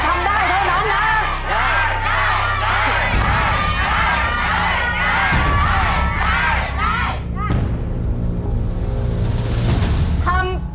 ทำได้เท่านั้นนะ